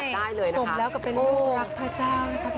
ใช่สมแล้วกับเป็นลูกรักพระเจ้านะครับ